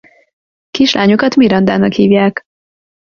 Kislányukat Mirandának hívják.